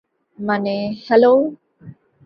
মানে, হ্যালো।